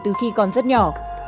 từ khi còn rất nhỏ